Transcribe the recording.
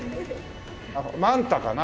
マンタかな？